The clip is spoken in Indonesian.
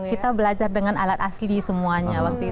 jadi kita belajar dengan alat asli semuanya